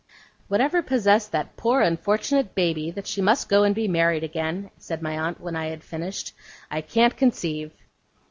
'Whatever possessed that poor unfortunate Baby, that she must go and be married again,' said my aunt, when I had finished, 'I can't conceive.